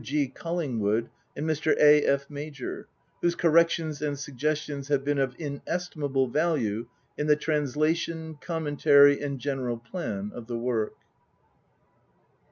G. Collingwood, and Mr. A. F. Major, whose corrections and suggestions have been of inestimable value in the translation, commentary, and general plan of the work.